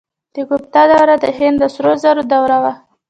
د ګوپتا دوره د هند د سرو زرو دوره وه.